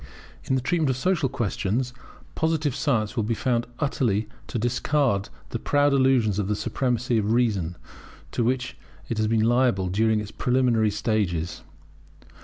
In the treatment of social questions Positive science will be found utterly to discard those proud illusions of the supremacy of reason, to which it had been liable during its preliminary stages.